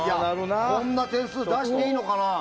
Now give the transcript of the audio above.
こんな点数出していいのかな。